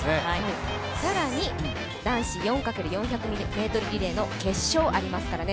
更に、男子４×４００ｍリレーの決勝がありますからね。